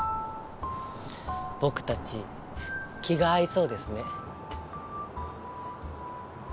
僕たち気が合いそうですね。